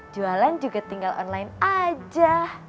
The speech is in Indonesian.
jualan juga tinggal online aja